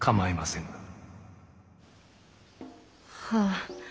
はあ。